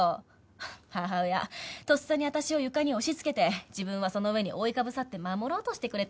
ハッ母親とっさに私を床に押し付けて自分はその上に覆いかぶさって守ろうとしてくれたんですよね。